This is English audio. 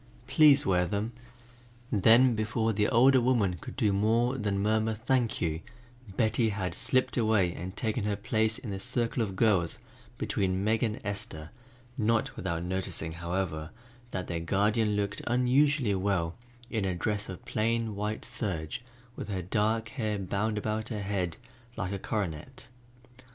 Please wear them." Then before the older woman could do more than murmur "Thank you," Betty had slipped away and taken her place in the circle of girls between Meg and Esther, not without noticing, however, that their guardian looked unusually well in a dress of plain white serge with her dark hair bound about her head like a coronet.